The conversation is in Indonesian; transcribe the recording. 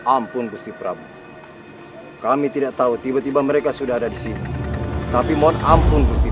ampun gusti prabu kami tidak tahu tiba tiba mereka sudah ada di sini tapi mohon ampun gusti